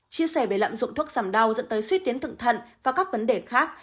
chia sẻ về lạm dụng thuốc giảm đau dẫn tới suy tiến thận và các vấn đề khác